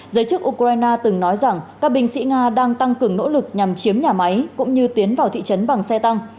giới chức ukraine từng nói rằng các binh sĩ nga đang tăng cường nỗ lực nhằm chiếm nhà máy cũng như tiến vào thị trấn bằng xe tăng